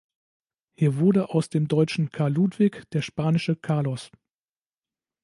Hier wurde aus dem deutschen Karl Ludwig der spanische „Carlos“.